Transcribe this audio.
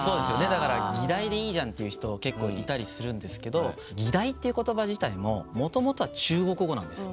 だから「議題」でいいじゃんっていう人が結構いたりするんですけど「議題」っていう言葉自体ももともとは中国語なんです。